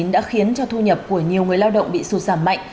đã khiến cho thu nhập của nhiều người lao động bị sụt giảm mạnh